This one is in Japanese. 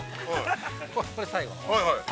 ◆これ、最後の。